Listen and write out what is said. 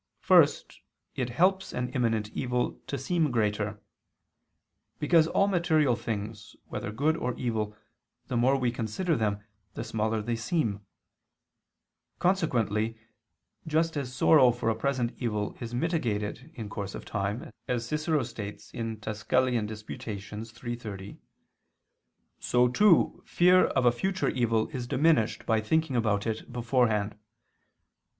First, it helps an imminent evil to seem greater. Because all material things, whether good or evil, the more we consider them, the smaller they seem. Consequently, just as sorrow for a present evil is mitigated in course of time, as Cicero states (De Quaest. Tusc. iii, 30); so, too, fear of a future evil is diminished by thinking about it beforehand.